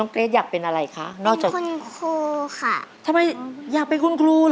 ค่ะเป็นคุณครูค่ะทำไมอยากเป็นคุณครูเหรอ